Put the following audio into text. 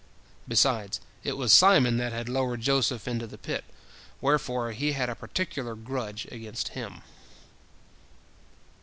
Besides, it was Simon that had lowered Joseph into the pit, wherefore he had a particular grudge against him.